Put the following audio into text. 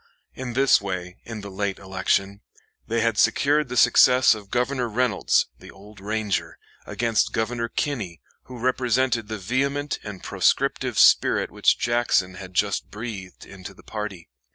In this way, in the late election, they had secured the success of Governor Reynolds the Old Ranger against Governor Kinney, who represented the vehement and proscriptive spirit which Jackson had just breathed into the party.